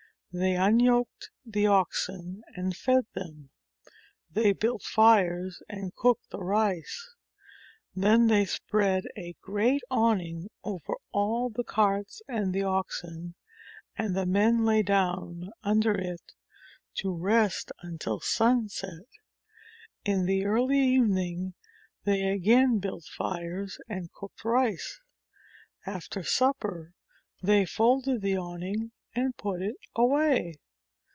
They un yoked the oxen, and fed them. They built fires and 25 JATAKA TALES cooked the rice. Then they spread a great awning over all the carts and the oxen, and the men lay down under it to rest until sunset. They built fires and cooked the rice. In the early evening, they again built fires andi cooked rice. After supper, they folded the awning and put it away.